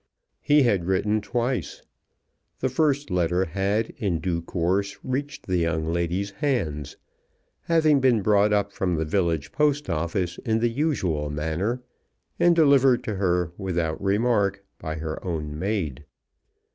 He had written twice. The first letter had in due course reached the young lady's hands, having been brought up from the village post office in the usual manner, and delivered to her without remark by her own maid.